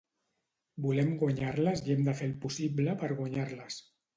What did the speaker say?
Volem guanyar-les i hem de fer el possible per guanyar-les.